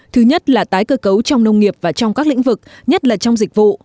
thứ nhất là tái cơ cấu trong nông nghiệp và trong các lĩnh vực nhất là trong dịch vụ